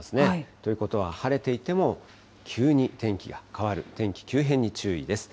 ということは、晴れていても急に天気が変わる、天気急変に注意です。